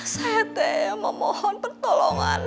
saya memohon pertolongan